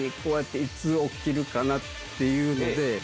いつ起きるかな？っていうので。